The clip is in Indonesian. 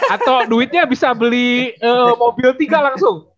atau duitnya bisa beli mobil tiga langsung